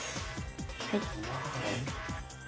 はい。